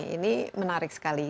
ini menarik sekali